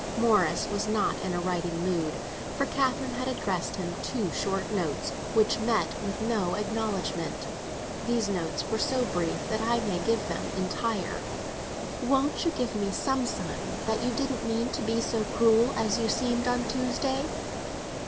Morris was not in a writing mood; for Catherine had addressed him two short notes which met with no acknowledgment. These notes were so brief that I may give them entire. "Won't you give me some sign that you didn't mean to be so cruel as you seemed on Tuesday?"